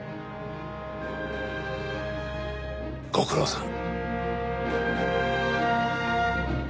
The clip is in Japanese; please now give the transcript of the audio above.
ご苦労さん。